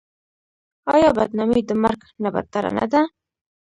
آیا بدنامي د مرګ نه بدتره نه ده؟